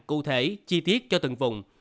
cụ thể chi tiết cho từng vùng